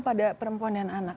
pada perempuan dan anak